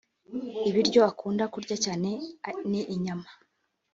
ibiryo akunda kurya cyane ni inyama